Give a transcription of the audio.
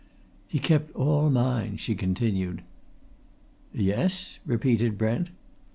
"He kept all mine," she continued. "Yes?" repeated Brent.